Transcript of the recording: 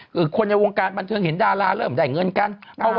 คือคนในวงการบันเทิงเห็นดาราเริ่มได้เงินกัน